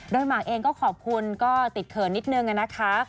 โดยหมากเองก็ขอบคุณติดเคิดหนึ่งนั่นนะคะ